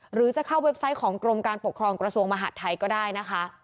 หรือจะเข้าเว็บไซต์ของกรมการปกครองกระทรวงมหาดไทยก็ได้นะคะ